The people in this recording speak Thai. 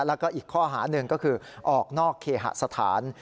แล้วก็อีกข้อหาหนึ่งก็คือออกนอกเคหสถาน